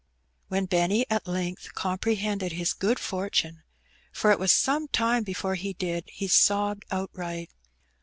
When Benny at length comprehended his good fortune — for it was some time before he did — he sobbed outright.